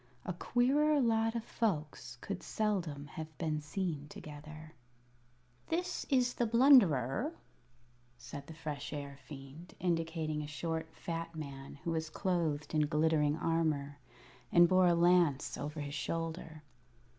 A queerer lot of folks could seldom have been seen together. [Illustration: THE BROTHERHOOD OF FAILINGS] "This is the Blunderer," said the Fresh Air Fiend, indicating a short, fat man who was clothed in glittering armor and bore a lance over his shoulder.